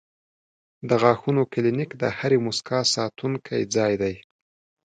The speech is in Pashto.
د غاښونو کلینک د هرې موسکا ساتونکی ځای دی.